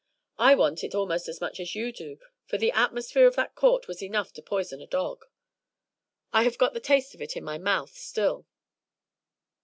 I want it almost as much as you do, for the atmosphere of that court was enough to poison a dog. I have got the taste of it in my mouth still."